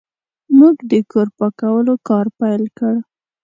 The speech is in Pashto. موږ د کور پاکولو کار پیل کړ.